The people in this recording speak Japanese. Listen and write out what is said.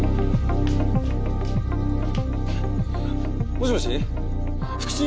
もしもし福知？